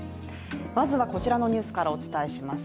まずはこちらのニュースからお伝えします。